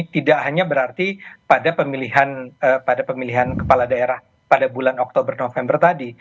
tidak hanya berarti pada pemilihan kepala daerah pada bulan oktober november tadi